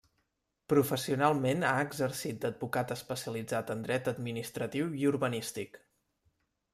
Professionalment ha exercit d’advocat especialitzat en dret administratiu i urbanístic.